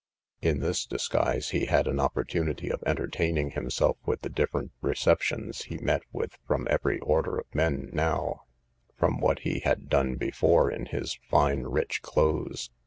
In this disguise he had an opportunity of entertaining himself with the different receptions he met with from every order of men now, from what he had done before in his fine rich clothes.